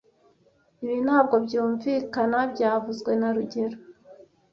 Ibi ntabwo byumvikana byavuzwe na rugero